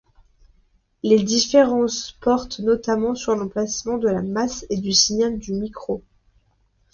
Les différences portent notamment sur l'emplacement de la masse et du signal du micro.